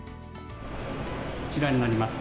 こちらになります。